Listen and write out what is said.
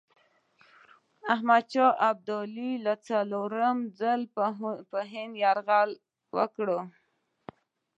احمدشاه ابدالي څلورم ځل پر هند یرغل وکړ.